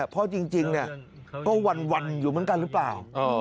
เพราะจริงก็วันอยู่เหมือนกันหรือเปล่า